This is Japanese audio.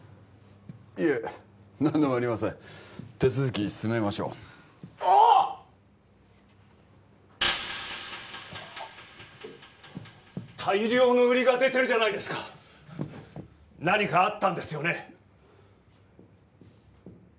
いえ何でもありません手続き進めましょうあっ大量の売りが出てるじゃないですか何かあったんですよね？